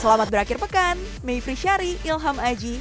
selamat berakhir pekan mayfri syari ilham aji